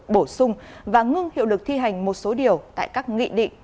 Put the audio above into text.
bổ sung và ngưng hiệu lực thi hành một số điều tại các nghị định